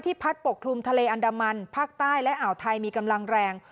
พัดปกคลุมทะเลอันดามันภาคใต้และอ่าวไทยมีกำลังแรง